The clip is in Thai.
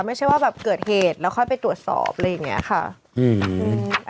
ไม่ใช่ว่าแบบเกิดเหตุแล้วค่อยไปตรวจสอบอะไรอย่างเงี้ยค่ะอืม